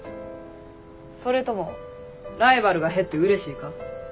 それともライバルが減ってうれしいか？